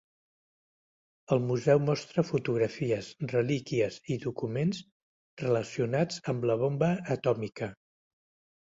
El museu mostra fotografies, relíquies i documents relacionats amb la bomba atòmica.